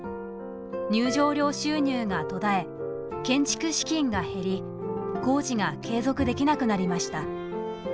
入場料収入が途絶え建築資金が減り工事が継続できなくなりました。